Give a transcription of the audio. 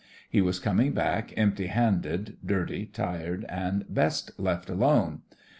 He was coming back, empty handed, dirty, tired, and best left alone.